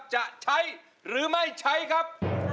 จะใช้หรือไม่ใช้ครับ